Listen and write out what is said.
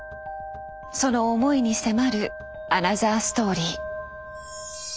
その思いに迫るアナザーストーリー。